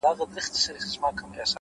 • د شرابو خُم پر سر واړوه یاره،